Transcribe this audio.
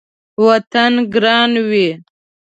وطن ګران وي